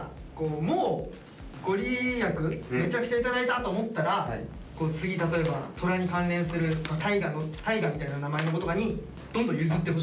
めちゃくちゃ頂いたと思ったら次例えばトラに関連する「たいが」みたいな名前の子とかにどんどん譲ってほしい。